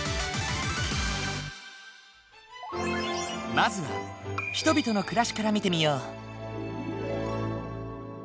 まずは人々の暮らしから見てみよう。